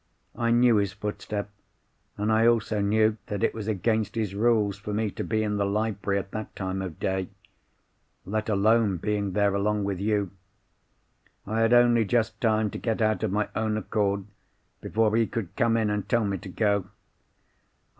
I knew his footstep, and I also knew that it was against his rules for me to be in the library at that time of day—let alone being there along with you. I had only just time to get out of my own accord, before he could come in and tell me to go.